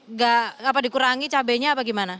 nggak dikurangi cabainya apa gimana